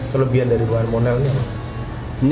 kelebihan dari buah monelnya